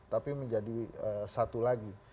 tapi menjadi satu lagi